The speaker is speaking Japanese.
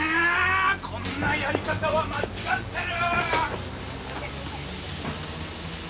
こんなやり方は間違ってる！」